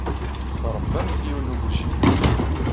Tṛebbamt yiwen n ugujil.